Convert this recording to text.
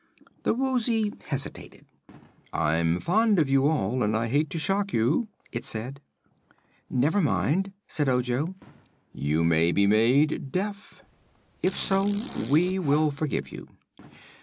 The Woozy hesitated. "I'm fond of you all, and I hate to shock you," it said. "Never mind," said Ojo. "You may be made deaf." "If so, we will forgive you."